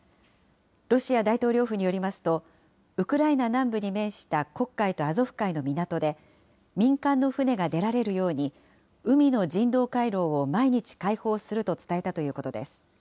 ロシア大統領府によりますと、ウクライナ南部に面した黒海とアゾフ海の港で、民間の船が出られるように海の人道回廊を毎日開放すると伝えたということです。